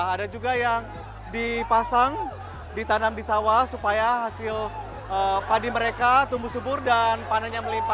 ada juga yang dipasang ditanam di sawah supaya hasil padi mereka tumbuh subur dan panennya melimpah